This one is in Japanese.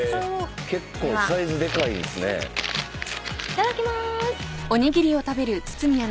いただきまーす！